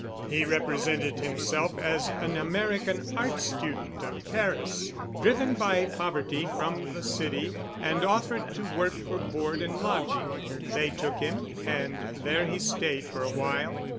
He represented himself as an American art student of Paris, driven by poverty from the city, and offered to work for board and lodging. They took him, and there he stayed for awhile.